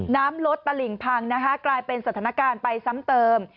น้ำลดตะหลิ่งพังนะคะกลายเป็นสถานการณ์ไปซ้ำเติม